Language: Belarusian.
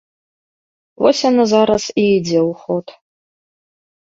Вось яна зараз і ідзе ў ход.